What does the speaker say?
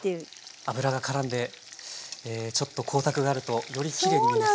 油がからんでちょっと光沢があるとよりきれいに見えますね。